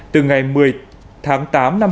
từ ngày một mươi tháng tám